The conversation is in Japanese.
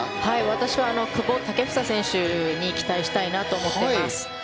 私は久保建英選手に期待したいなと思っています。